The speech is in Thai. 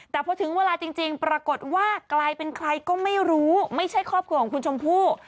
แต่พอถึงเวลาจริงปรากฏว่ากลายเป็นใครก็ไม่รู้ไม่ใช่ครอบครัวของคุณชมพู่